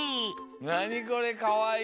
なにこれ？かわいい！